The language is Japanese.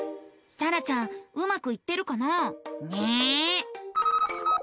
さらちゃんうまくいってるかな？ね。